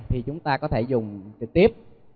thì chúng ta có thể dùng trực tiếp